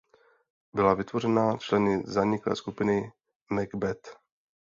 Byla vytvořena členy zaniklé skupiny Mac Beth.